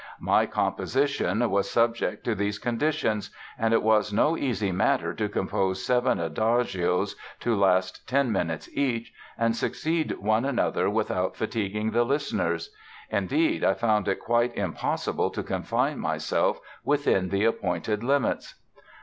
My composition was subject to these conditions, and it was no easy matter to compose seven adagios to last ten minutes each, and succeed one another without fatiguing the listeners; indeed, I found it quite impossible to confine myself within the appointed limits."